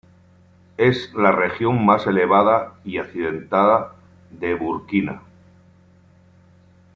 Es la región más elevada y accidentada de Burkina.